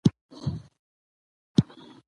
باسواده نجونې د نورو نجونو سره مرسته کوي.